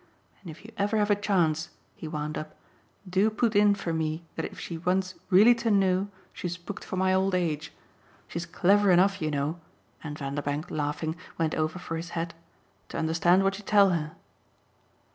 And if you ever have a chance," he wound up, "do put in for me that if she wants REALLY to know she's booked for my old age. She's clever enough, you know" and Vanderbank, laughing, went over for his hat "to understand what you tell her."